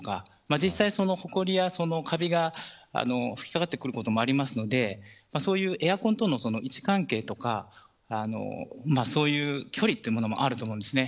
実際に、ほこりやカビが吹きかかってくることもあるのでそういうエアコン等の位置関係とかそういう距離というものもあると思うんです。